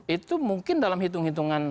itu mungkin dalam hitung hitungan